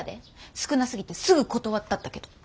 少なすぎてすぐ断ったったけど。